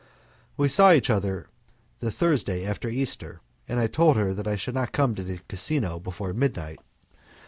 We saw each other the Thursday after Easter, and I told her that I should not come to the casino before midnight.